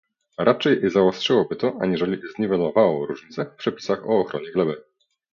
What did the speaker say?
Raczej zaostrzyłoby to, aniżeli zniwelowało różnice w przepisach o ochronie gleby